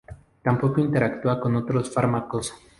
Tampoco interactúa con otros fármacos.